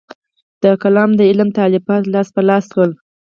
د کلام د علم تالیفات لاس په لاس شول.